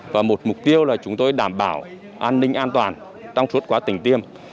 và một mục tiêu là chúng tôi đảm bảo an ninh an toàn trong suốt quá trình tiêm